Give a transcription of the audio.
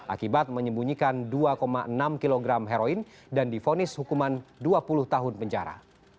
akibat menyembunyikan dua enam kg heroin dan difonis hukuman dua puluh tahun penjara